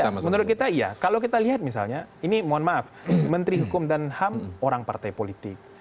ya menurut kita iya kalau kita lihat misalnya ini mohon maaf menteri hukum dan ham orang partai politik